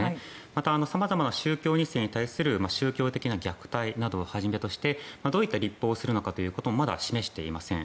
また様々な宗教２世に対する宗教的な虐待などをはじめとしてどういった立法をするのかということもまだ示していません。